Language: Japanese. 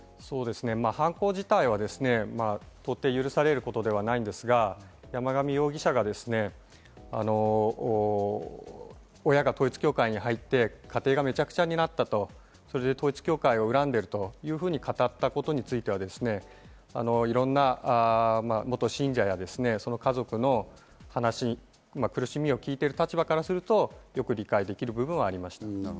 犯行自体は到底許されることではないんですが、山上容疑者が親が統一教会に入って家庭がめちゃくちゃになったと、それで統一教会を恨んでいるというふうに語ったことについては、いろんな元信者や、その家族の話、苦しみを聞いている立場からすると、よく理解できる部分はあります。